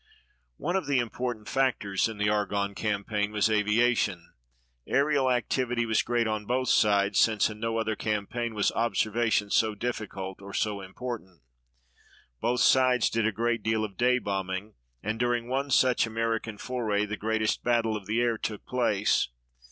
One of the important factors in the Argonne campaign was aviation. Aerial activity was great on both sides, since in no other campaign was observation so difficult or so important. Both sides did a great deal of day bombing, and during one such American foray the greatest battle of the air took place.